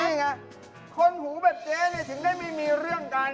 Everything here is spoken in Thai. นี่ไงคนหูแบบเจ๊เนี่ยถึงได้ไม่มีเรื่องกัน